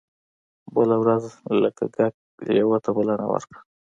بله ورځ لګلګ لیوه ته بلنه ورکړه.